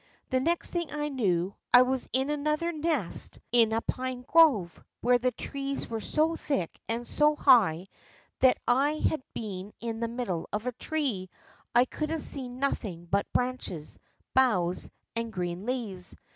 The next thing I knew, I was in another nest 66 THE ROCK FROG in a pine grove, where the trees were so thick and so high, that had I been in the middle of a tree, I could have seen nothing but branches, boughs, and green leaves.